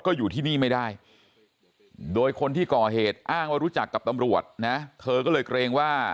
ก็อยู่ที่นี่ไม่ได้โดยคนที่ก่อเหตุอ้างว่ารู้จักกับตำรวจนะเธอก็เลยเกรงว่า